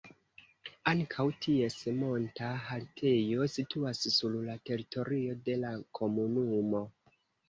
Ankaŭ ties monta haltejo situas sur la teritorio de la komunumo.